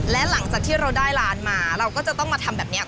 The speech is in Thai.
และหลังจากที่เราได้ร้านมาเราก็จะต้องมาทำแบบนี้